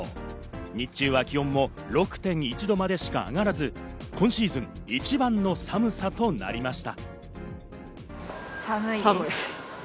日中は気温も６．１度までしか上がらず、今シーズン一番の寒さとなりました。